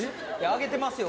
あげてますよ。